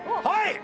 はい！